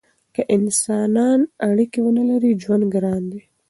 که انسانان اړیکې ونلري ژوند ګران دی.